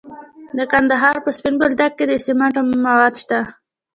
د کندهار په سپین بولدک کې د سمنټو مواد شته.